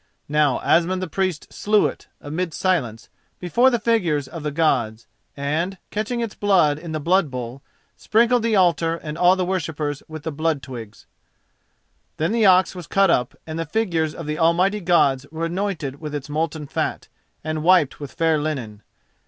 Now Asmund the Priest slew it, amid silence, before the figures of the Gods, and, catching its blood in the blood bowl, sprinkled the altar and all the worshippers with the blood twigs. Then the ox was cut up, and the figures of the almighty Gods were anointed with its molten fat and wiped with fair linen.